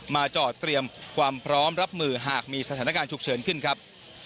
จอดเตรียมความพร้อมรับมือหากมีสถานการณ์ฉุกเฉินขึ้นครับ